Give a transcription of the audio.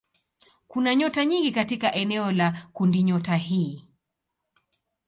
Kuna nyota nyingi katika eneo la kundinyota hii.